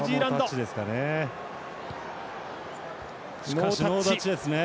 ノータッチです。